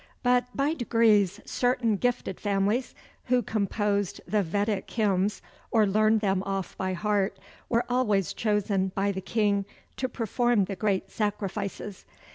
But by degrees certain gifted families, who composed the Vedic hymns or learned them off by heart, were always chosen by the king to perform the great sacrifices.